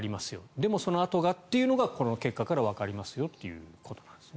でも、そのあとがっていうのがこの結果からわかりますよということなんですね。